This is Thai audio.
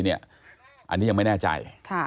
อันนี้ยังไม่แน่ใจ